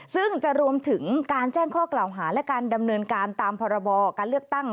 ซึ่งจะรวมถึงการแจ้งข้อกล่าวหาและการดำเนินการตามพรบการเลือกตั้ง